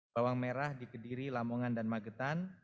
bawang merah di kediri lamongan dan magetan